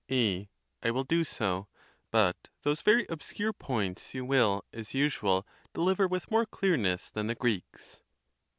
A. I will do so; but those very obscure points you will, as usual, deliver with more clearness than the Greeks.